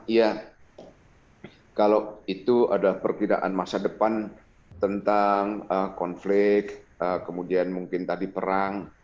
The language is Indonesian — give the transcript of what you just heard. iya kalau itu adalah perkiraan masa depan tentang konflik kemudian mungkin tadi perang